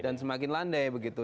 dan semakin landai begitu